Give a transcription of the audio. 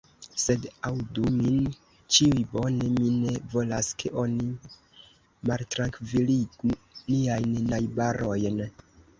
Sed aŭdu min ĉiuj bone: mi ne volas, ke oni maltrankviligu niajn najbarojn.